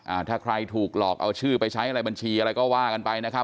อ่าถ้าใครถูกหลอกเอาชื่อไปใช้อะไรบัญชีอะไรก็ว่ากันไปนะครับ